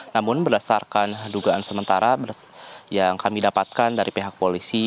namun berdasarkan dugaan sementara yang kami dapatkan dari pihak polisi